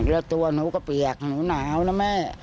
แล้วตัวหนูก็เปียกหนูหนาวนะแม่